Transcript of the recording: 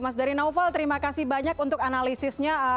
mas dari naufal terima kasih banyak untuk analisisnya